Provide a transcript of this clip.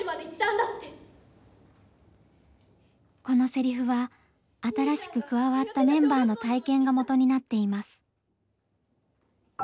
このセリフは新しく加わったメンバーの体験がもとになっています。